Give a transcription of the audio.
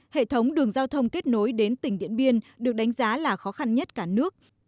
hệ thống đường giao thông kết nối đến tỉnh điện biên được đánh giá là khó khăn nhất cả nước